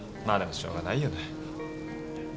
まあでもしょうがないよな。